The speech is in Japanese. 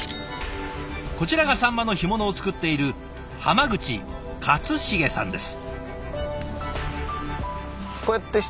こちらがサンマの干物を作っている浜口克茂さんです。